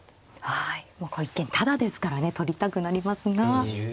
はいもう一見タダですからね取りたくなりますが。